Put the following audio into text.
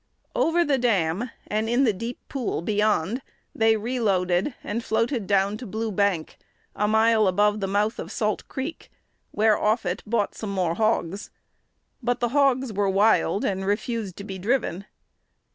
Over the dam, and in the deep pool beyond, they reloaded, and floated down to Blue Bank, a mile above the mouth of Salt Creek, where Offutt bought some more hogs. But the hogs were wild, and refused to be driven.